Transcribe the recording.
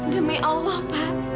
demi allah pak